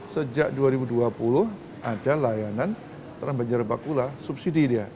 sejak dua ribu dua puluh ada layanan trans banjarbakula subsidi dia